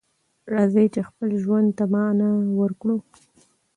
راځئ چې خپل ژوند ته معنی ورکړو.